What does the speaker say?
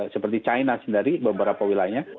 seperti china sendiri beberapa wilayah